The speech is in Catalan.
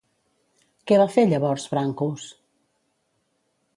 Què va fer llavors Brancos?